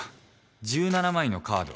１７枚のカード。